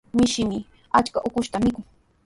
Mishimi achka ukushta mikun.